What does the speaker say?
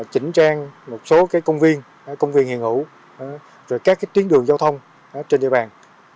chỉnh trang một số công viên công viên hiền ủ rồi các tuyến đường giao thông trên địa bàn